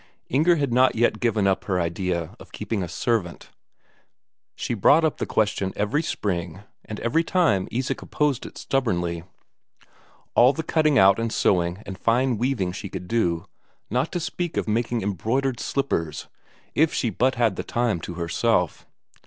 Inger had not yet given up her idea of keeping a servant; she brought up the question every spring, and every time Isak opposed it stubbornly. All the cutting out and sewing and fine weaving she could do, not to speak of making embroidered slippers, if she had but the time to herself!